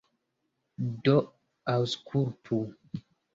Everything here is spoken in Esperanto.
Do aŭskultu.